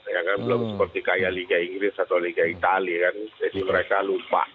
ya kan belum seperti kayak liga inggris atau liga itali kan jadi mereka lupa